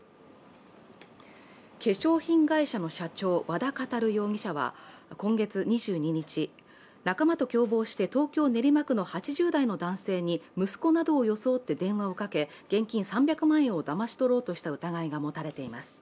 化粧品会社の社長、和田教容疑者は今月２２日、仲間と共謀して東京・練馬区の８０代の男性に息子などを装って電話をかけ、現金３００万円をだまし取ろうとした疑いが持たれています。